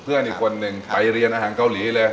เพื่อนอีกคนนึงไปเรียนอาหารเกาหลีเลย